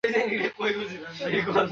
সোজা হয়ে বসুন।